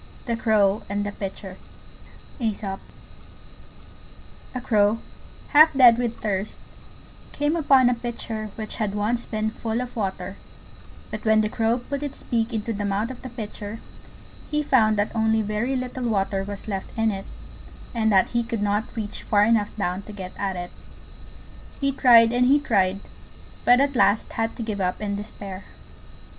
THE CROW AND THE PITCHER A crow, half dead with thirst, came upon a Pitcher which had once been full of water; but when the Crow put its beak into the mouth of the Pitcher he found that only very little water was left in it, and that he could not reach far enough down to get at it. He tried, and he tried, but at last had to give up in despair.